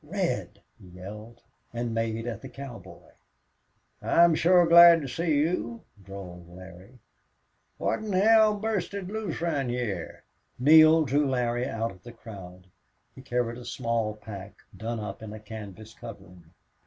"Red!" he yelled, and made at the cowboy. "I'm shore glad to see you," drawled Larry. "What 'n hell busted loose round heah?" Neale drew Larry out of the crowd. He carried a small pack done up in a canvas covering.